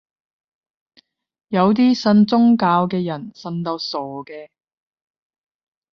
有啲信宗教嘅人信到傻嘅